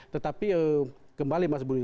tetapi kembali mas budi